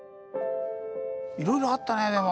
いろいろあったねでも。